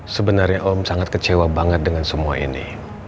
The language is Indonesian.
sebenarnya om sangat kecewa banget dengan semua ini